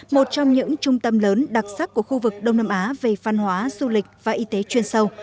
một trong những trung tâm lớn đặc sắc của khu vực đông nam á về văn hóa du lịch và y tế chuyên sâu